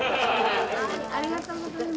ありがとうございます。